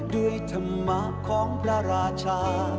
ด้วยธรรมะของพระราชา